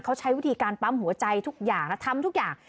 เขาใช้วิธีการปั๊มหัวใจทุกอย่างและทำทุกอย่าง